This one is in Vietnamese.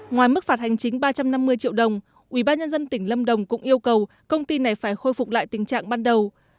ngoài mức phạt hành chính ba trăm năm mươi triệu đồng ubnd tỉnh lâm đồng cũng yêu cầu công ty này phải khôi phục lại tình trạng ban đầu